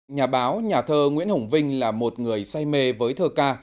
nhà báo nhà thơ nguyễn hồng vinh là một người say mê với thơ ca